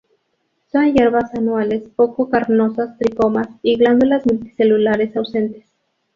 Son hierbas anuales poco carnosas, tricomas y glándulas multicelulares ausentes.